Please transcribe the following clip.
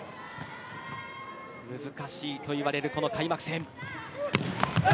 難しいといわれる開幕戦。